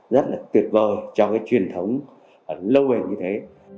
rất là tuyệt vời trong cái truyền thống lâu bền như thế